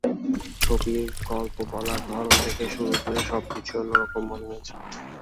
ছবির গল্প বলার ধরন থেকে শুরু করে সবকিছুই অন্যরকম মনে হয়েছে।